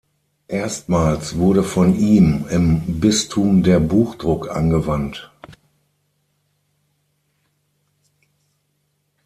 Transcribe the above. Erstmals wurde von ihm im Bistum der Buchdruck angewandt.